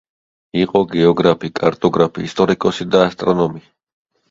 იყო გეოგრაფი, კარტოგრაფი, ისტორიკოსი და ასტრონომი.